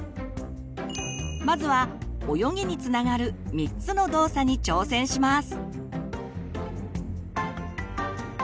まずは泳ぎにつながる３つの動作に挑戦します。